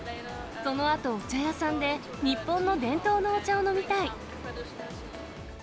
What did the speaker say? そのあと、お茶屋さんで日本の伝統のお茶を飲みたい。